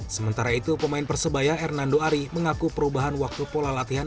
sementara itu pemain persebaya hernando ari mengaku perubahan waktu pola latihan